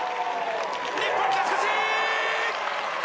日本、勝ち越し！